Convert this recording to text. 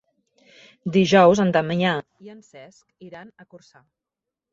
Dijous en Damià i en Cesc iran a Corçà.